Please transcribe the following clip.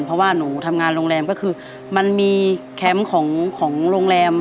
เพราะว่าหนูทำงานโรงแรมก็คือมันมีแคมป์ของโรงแรม